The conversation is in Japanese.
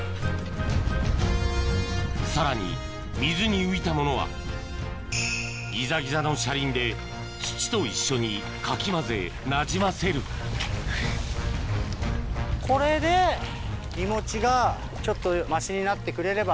さらに水に浮いたものはギザギザの車輪で土と一緒にかき混ぜなじませるこれでいもちがちょっとましになってくれれば。